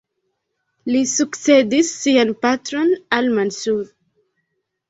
Li sukcedis sian patron, al-Mansur.